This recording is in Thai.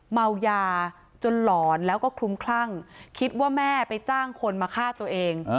เมายาจนหลอนแล้วก็คลุมคลั่งคิดว่าแม่ไปจ้างคนมาฆ่าตัวเอง